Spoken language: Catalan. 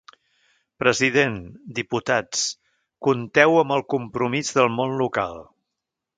President, diputats: compteu amb el compromís del món local.